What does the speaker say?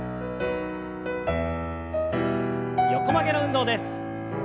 横曲げの運動です。